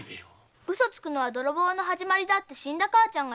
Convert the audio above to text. ウソつくのは泥棒の始まりだって死んだ母ちゃんが。